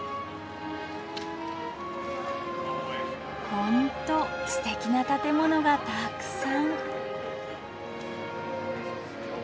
本当すてきな建物がたくさん。